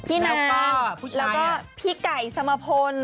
พี่นางและก็พี่ไก่สมพล